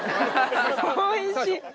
おいしい。